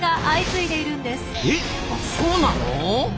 えそうなの！？